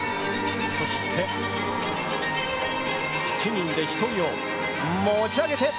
そして７人で１人を持ち上げて。